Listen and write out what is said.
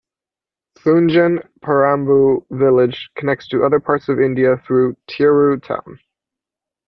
Thunjan parambu village connects to other parts of India through Tirur town.